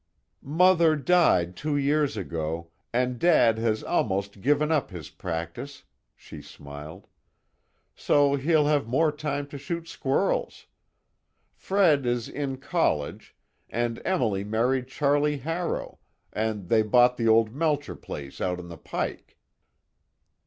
"Mother died two years ago, and dad has almost given up his practice," she smiled, "So he'll have more time to shoot squirrels. Fred is in college, and Emily married Charlie Harrow, and they bought the old Melcher place out on the pike."